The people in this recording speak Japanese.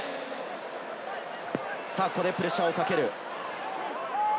ここでプレッシャーをかける。